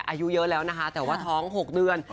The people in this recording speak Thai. อายุเยอะแล้วนะคะแต่ว่าท้อง๖เดือน